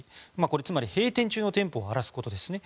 つまり閉店中の店舗を荒らすことですね。